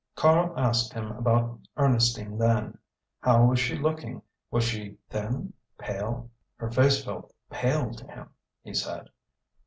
Karl asked him about Ernestine then. How was she looking; was she thin pale? Her face felt pale to him, he said.